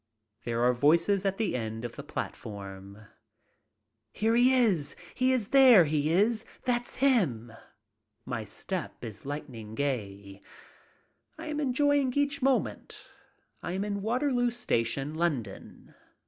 There are voices at the end of the platform. "Here he is. He is there, he is. That's him." My step is lightning gay. I am enjoying each moment. I am in Waterloo station, London.